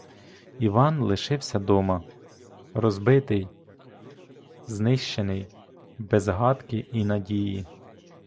Іван лишився дома, розбитий, знищений, без гадки і надії.